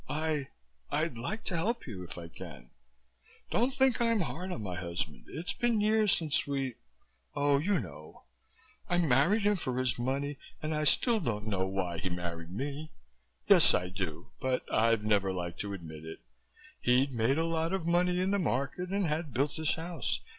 I I'd like to help you, if I can. Don't think I'm hard on my husband. It's been years since we oh, you know. I married him for his money and I still don't know why he married me. Yes, I do, but I've never liked to admit it. He'd made a lot of money in the market and had built this house.